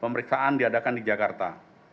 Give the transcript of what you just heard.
pemeriksaan diadakan di jakarta